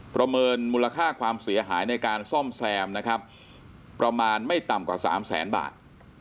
ประเมินมูลค่าความเสียหายในการซ่อมแซมนะครับประมาณไม่ต่ำกว่าสามแสนบาท